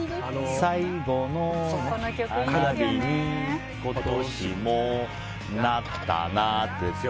最後の花火に今年もなったなって。